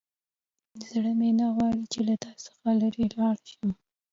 زړه مې نه غواړي چې له تا څخه لیرې لاړ شم.